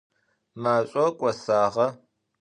Maş'or k'osağe.